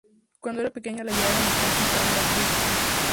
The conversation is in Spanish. Cuando era pequeña la llevaban a castings para ser actriz.